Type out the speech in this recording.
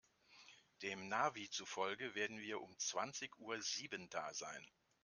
Dem Navi zufolge werden wir um zwanzig Uhr sieben da sein.